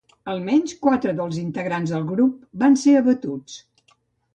Almenys, quatre dels integrants del grup van ser abatuts.